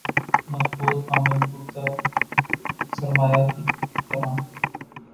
مضبوط باضابطہ سرمایہ کی طرح